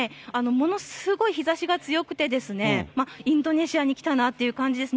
ものすごい日ざしが強くてですね、インドネシアに来たなっていう感じです。